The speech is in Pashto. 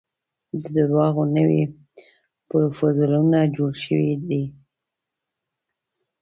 د درواغو نوي پرفوزلونه جوړ شوي دي.